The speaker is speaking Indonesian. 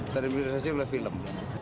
terinspirasi oleh film